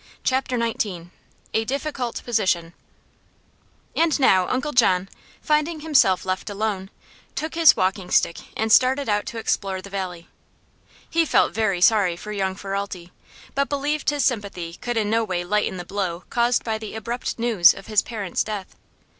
CHAPTER XIX A DIFFICULT POSITION And now Uncle John, finding himself left alone, took his walkingstick and started out to explore the valley. He felt very sorry for young Ferralti, but believed his sympathy could in no way lighten the blow caused by the abrupt news of his parent's death.